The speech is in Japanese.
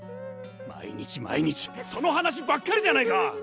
毎日毎日その話ばっかりじゃないか！